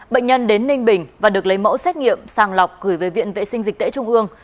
bệnh nhân đến ninh bình và được lấy mẫu xét nghiệm sàng lọc gửi về viện vệ sinh dịch tễ trung ương